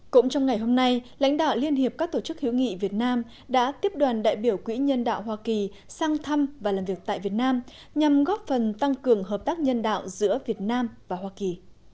cũng trong ngày hôm nay lãnh đạo liên hiệp các tổ chức hiếu nghị việt nam đã tiếp đoàn đại biểu quỹ nhân đạo hoa kỳ sang thăm và làm việc tại việt nam nhằm góp phần tăng cường hợp tác nhân đạo giữa việt nam và hoa kỳ